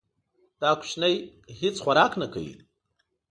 دا کوچنی هیڅ خوراک نه کوي.